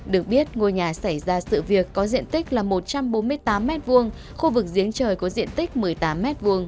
được biết ngôi nhà xảy ra sự việc có diện tích là một trăm bốn mươi tám m hai khu vực giếng trời có diện tích một mươi tám m hai